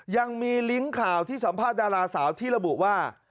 ยังมีลิงก์ข่าวที่สัมภาษณ์ดาราสาวที่ระบุว่า